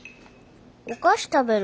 お菓子食べる。